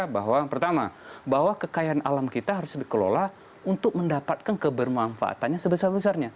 bahwa pertama bahwa kekayaan alam kita harus dikelola untuk mendapatkan kebermanfaatannya sebesar besarnya